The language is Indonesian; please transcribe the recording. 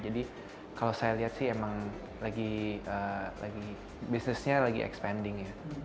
jadi kalau saya lihat sih emang lagi bisnisnya lagi berkembang